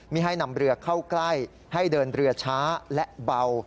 ไม่ให้นำเรือเข้าใกล้ให้เดินเรือช้าและเบา